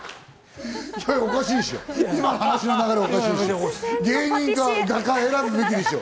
おかしいっしょ。